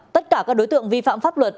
tất cả các đối tượng vi phạm pháp luật